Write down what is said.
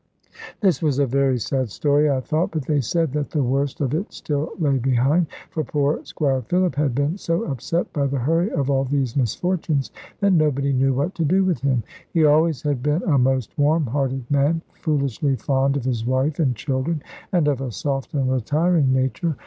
This was a very sad story, I thought, but they said that the worst of it still lay behind: for poor Squire Philip had been so upset by the hurry of all these misfortunes, that nobody knew what to do with him. He always had been a most warm hearted man, foolishly fond of his wife and children, and of a soft and retiring nature.